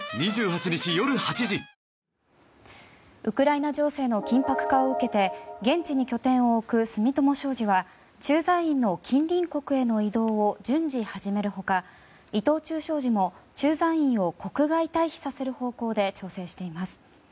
ウクライナ情勢の緊迫化を受けて現地に拠点を置く住友商事は駐在員の近隣国への移動を順次始める他伊藤忠商事も駐在員を国外退避させる方向で調整しています。